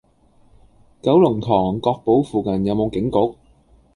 九龍塘珏堡附近有無警局？